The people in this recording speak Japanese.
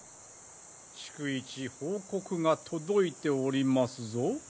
逐一報告が届いておりますぞ。